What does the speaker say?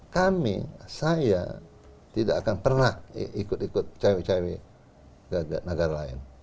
kami saya tidak akan pernah ikut ikut cewek cewek ke negara lain